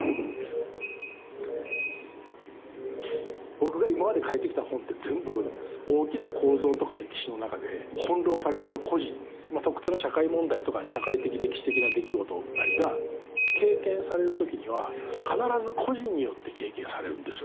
僕が今まで書いてきた本って全部大きな構造とか歴史の中で翻弄されてる個人まあ特定の社会問題とか社会的歴史的な出来事なりが経験される時には必ず個人によって経験されるんですよねそれがね。